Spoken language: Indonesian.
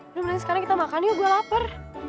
udah menangis sekarang kita makan yuk gua lapar